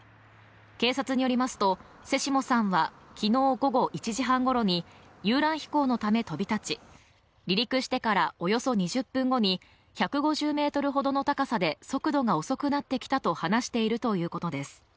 警察によりますと瀬下さんは、昨日午後１時半ごろに遊覧飛行のため飛び立ち離陸してからおよそ２０分後に１５０ｍほどの高さで速度が遅くなってきたと話しているということです。